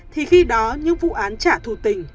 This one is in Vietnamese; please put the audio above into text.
thì khi đó những vụ án trả thù tình